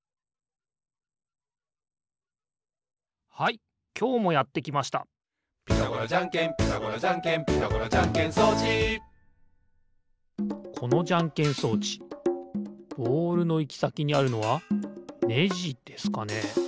はいきょうもやってきました「ピタゴラじゃんけんピタゴラじゃんけん」「ピタゴラじゃんけん装置」このじゃんけん装置ボールのいきさきにあるのはねじですかね？